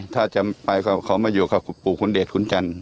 ถ้าจะไปก็ขอมาอยู่กับปู่คุณเดชคุณจันท